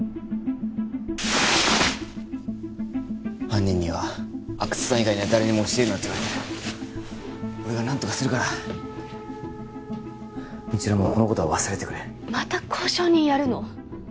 犯人には阿久津さん以外には誰にも教えるなって言われてる俺が何とかするから未知留もこのことは忘れてくれまた交渉人やるの？